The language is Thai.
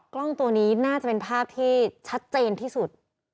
กล้องตัวนี้น่าจะเป็นภาพที่ชัดเจนที่สุด